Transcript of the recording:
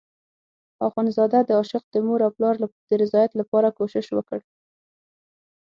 اخندزاده د عاشق د مور او پلار د رضایت لپاره کوشش وکړ.